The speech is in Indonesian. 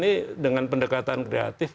ini dengan pendekatan kreatif